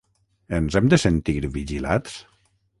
Ens hem de sentir vigilats?